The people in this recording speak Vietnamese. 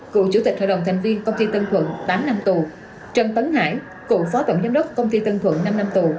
cựu chủ tịch hội đồng thành viên tp hcm tám năm tù trâm tấn hải cựu phó tổng giám đốc tp hcm năm năm tù